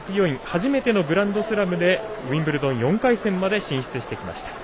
初めてのグランドスラムでウィンブルドン４回戦まで進出してきました。